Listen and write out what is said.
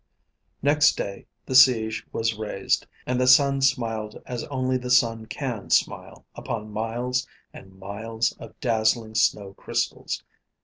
Next day the siege was raised, and the sun smiled as only the sun can smile upon miles and miles of dazzling snow crystals.